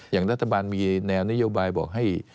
อย่างรัฐบาลมีแนวนโยบายบอกให้